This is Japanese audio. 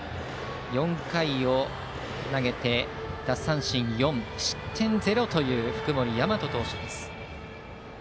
４回を投げて、奪三振４失点０という福盛大和投手です。